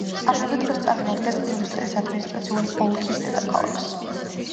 ამავე დროს, წარმოადგენს მიუნსტერის ადმინისტრაციული ოლქის დედაქალაქს.